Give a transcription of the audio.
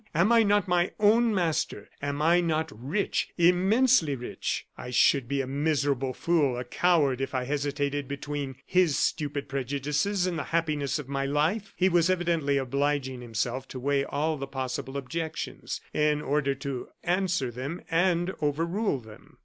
Am I not my own master? Am I not rich immensely rich? I should be a miserable fool, a coward, if I hesitated between his stupid prejudices and the happiness of my life." He was evidently obliging himself to weigh all the possible objections, in order to answer them and overrule them.